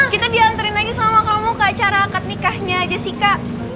kita diantarin aja sama kamu ke acara akad nikahnya jessica